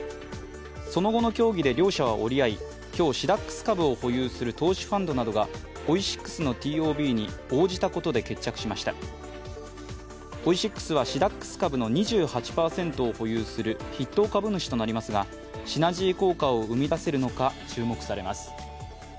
その後の協議で両者は折り合い、今日、シダックス株を保有する投資ファンドなどがオイシックスのＴＯＢに応じたことで決着しましたオイシックスはシダックス株の２８％を保有する筆頭株主となりますがシナジー効果を生み出せるのか注目されます。